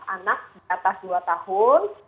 anak diatas dua tahun